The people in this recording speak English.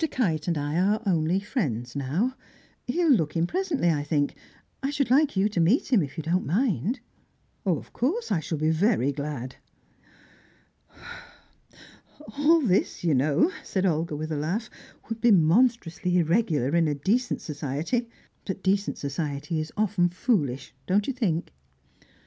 Kite and I are only friends now. He'll look in presently, I think. I should like you to meet him, if you don't mind." "Of course I shall be very glad." "All this, you know," said Olga, with a laugh, "would be monstrously irregular in decent society, but decent society is often foolish, don't you think?"